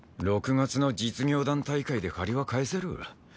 ６月の実業団大会で借りは返せる。